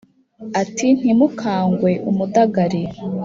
Ati: Ntimukqangwe umudagari